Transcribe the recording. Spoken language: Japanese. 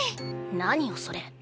何よそれ。